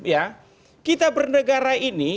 ya kita bernegara ini